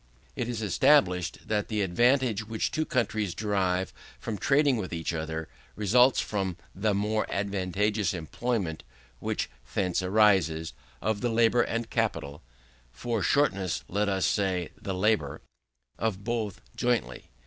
It is established, that the advantage which two countries derive from trading with each other, results from the more advantageous employment which thence arises, of the labour and capital for shortness let us say the labour of both jointly.